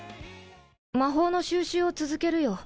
魔法の収集を続けるよ。